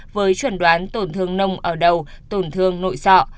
với chuẩn đoán tổn thương nông ở đầu tổn thương nội sọ